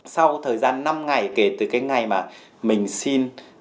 sau thời gian năm ngày kể từ cái ngày mà mình xin